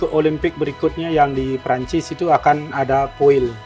untuk berikutnya yang di perancis itu akan ada foil